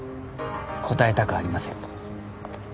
答えたくありません。